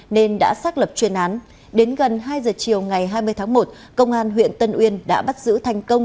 nên đã xác lập chuyên án đến gần hai giờ chiều ngày hai mươi tháng một công an huyện tân uyên đã bắt giữ thành công